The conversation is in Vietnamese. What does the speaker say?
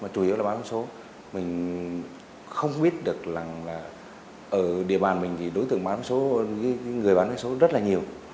chủ yếu là bán số mình không biết được rằng là ở địa bàn mình thì đối tượng bán số người bán vé số rất là nhiều